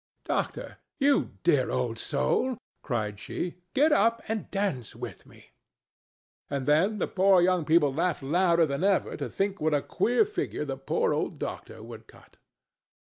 "Doctor, you dear old soul," cried she, "get up and dance with me;" and then the four young people laughed louder than ever to think what a queer figure the poor old doctor would cut.